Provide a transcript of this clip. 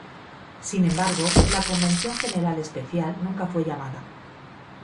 Sin embargo, la Convención General Especial nunca fue llamada.